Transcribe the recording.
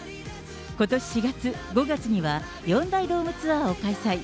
ことし４月、５月には、４大ドームツアーを開催。